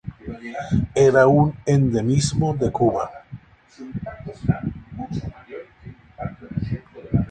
Era un endemismo de Cuba.